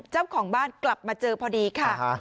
เจ้าของบ้านกลับมาเจอพอดีค่ะ